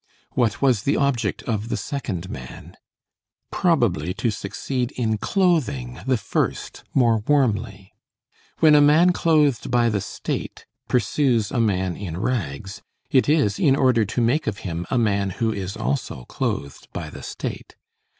What was the object of the second man? Probably to succeed in clothing the first more warmly. When a man clothed by the state pursues a man in rags, it is in order to make of him a man who is also clothed by the state.